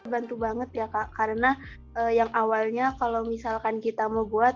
bantu banget ya kak karena yang awalnya kalau misalkan kita mau buat